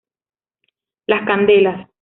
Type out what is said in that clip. Las Candelas.